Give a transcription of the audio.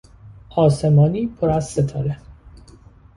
آسمانی پر از ستاره